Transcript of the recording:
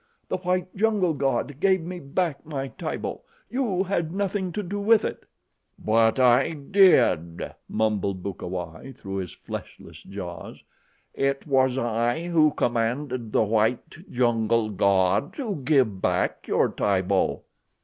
The white jungle god gave me back my Tibo. You had nothing to do with it." "But I did," mumbled Bukawai through his fleshless jaws. "It was I who commanded the white jungle god to give back your Tibo."